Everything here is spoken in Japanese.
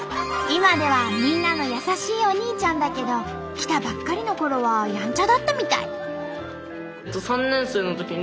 今ではみんなの優しいお兄ちゃんだけど来たばっかりのころはやんちゃだったみたい。